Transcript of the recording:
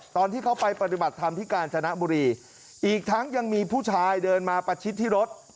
ตอนที่เขาไปปฏิบัติธรรมที่กาญจนบุรีอีกทั้งยังมีผู้ชายเดินมาประชิดที่รถ